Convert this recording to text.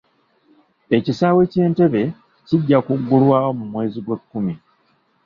Ekisaawe ky'Entebbe kijja kuggulwawo mu mwezi gw'ekkumi.